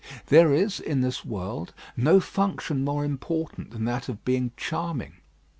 There is, in this world, no function more important than that of being charming.